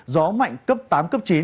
gió mạnh cấp tám cấp chín